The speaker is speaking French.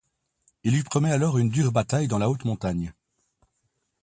Il lui promet alors une dure bataille dans la haute montagne.